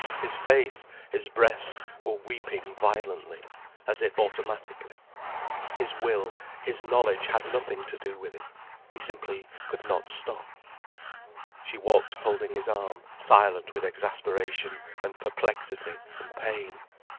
His face, his breast, were weeping violently, as if automatically. His will, his knowledge had nothing to do with it. He simply could not stop. She walked holding his arm, silent with exasperation and perplexity and pain.